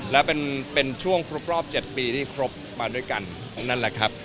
และเป็นช่วงครบรอบ๗ปีที่ครบมาด้วยกันนั่นแหละครับ